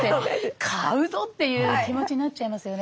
買うぞ！っていう気持ちになっちゃいますよね。